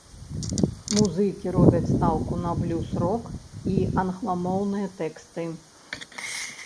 Музыкі робяць стаўку на блюз-рок і англамоўныя тэксты.